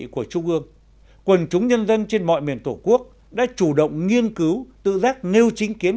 của trung ương quần chúng nhân dân trên mọi miền tổ quốc đã chủ động nghiên cứu tự giác nêu chính kiến